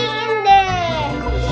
iya dingin deh